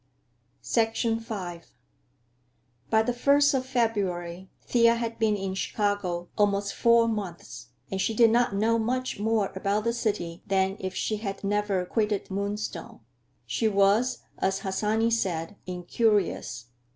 V By the first of February Thea had been in Chicago almost four months, and she did not know much more about the city than if she had never quitted Moonstone. She was, as Harsanyi said, incurious.